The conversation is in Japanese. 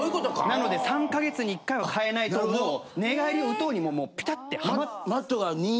なので３か月に１回は替えないともう寝返りうとうにもピタって。